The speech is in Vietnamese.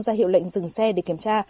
ra hiệu lệnh dừng xe để kiểm tra